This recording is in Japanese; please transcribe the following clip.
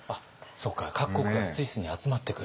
各国がスイスに集まってくる？